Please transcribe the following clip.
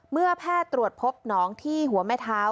เมื่อแพทย์ตรวจพบหนองที่หัวแม่เท้า